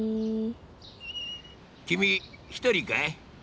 君１人かい？